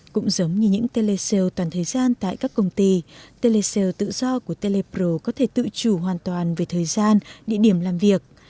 cũng giống như những telecell toàn thời gian tại các công ty telecell tự do của telepro có thể tự chủ hoàn toàn về thời gian địa điểm làm việc